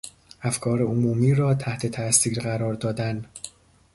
افکار عمومی را تحت تاثیر قرار دادن